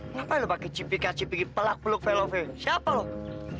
ngapain lu pake cipik kacipik pelak peluk velovi siapa lu